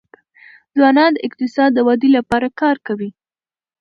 ځوانان د اقتصاد د ودي لپاره کار کوي.